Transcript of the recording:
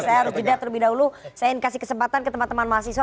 saya ingin kasih kesempatan ke teman teman mahasiswa